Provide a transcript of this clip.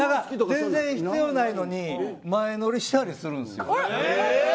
全然必要ないのに前乗りしたりするんですよ。